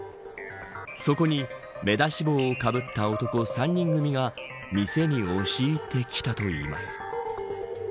そこに目出し帽をかぶった男３人組が店に押し入ってきたといいます。